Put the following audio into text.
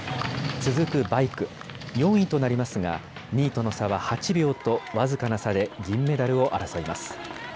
続くバイク４位となりますが２位との差は８秒と僅かな差で銀メダルを争います。